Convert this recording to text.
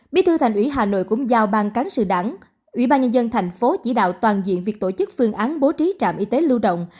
bí thư thành ủy hà nội cũng giao ban cán sự đảng ủy ban nhân dân thành phố chỉ đạo toàn diện việc tổ chức phương án bố trí trạm y tế lưu động